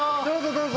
どうぞ。